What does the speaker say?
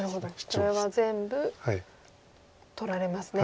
これは全部取られますね。